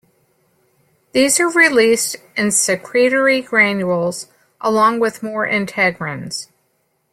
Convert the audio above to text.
These are released in secretory granules, along with more integrins.